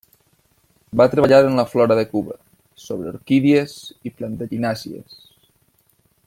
Va treballar en la flora de Cuba, sobre orquídies i plantaginàcies.